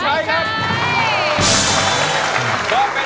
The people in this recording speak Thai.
ไม่ใช้ครับ